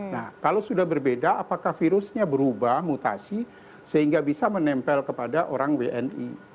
nah kalau sudah berbeda apakah virusnya berubah mutasi sehingga bisa menempel kepada orang wni